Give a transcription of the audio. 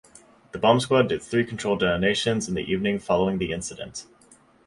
The bomb squad did three controlled detonations in the evening following the incident.